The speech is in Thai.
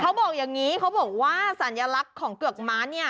เขาบอกอย่างนี้เขาบอกว่าสัญลักษณ์ของเกือกม้าเนี่ย